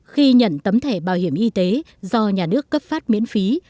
trên tấm thẻ bảo hiểm y tế do nhà nước cấp phát miễn phí